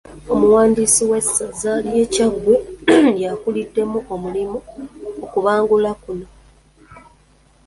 Omuwandiisi w'essaza ly'e Kyaggwe y'akuliddemu omulimu okubangula kuno.